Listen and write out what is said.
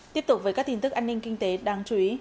tiếp tục với các tin tức an ninh kinh tế đáng chú ý